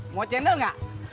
mau cendol nggak